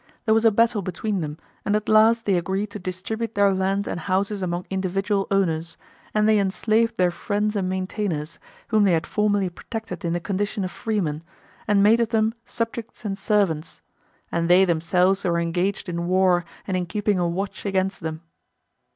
There was a battle between them, and at last they agreed to distribute their land and houses among individual owners; and they enslaved their friends and maintainers, whom they had formerly protected in the condition of freemen, and made of them subjects and servants; and they themselves were engaged in war and in keeping a watch against them.